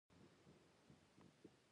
چا چې ستا د ماشوم مور وه.